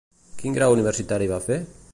Quin grau universitari va fer?